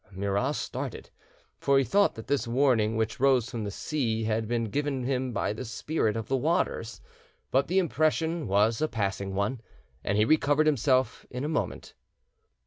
Murat started, for he thought that this warning which rose from the sea had been given him by the spirit of the waters; but the impression was a passing one, and he recovered himself in a moment.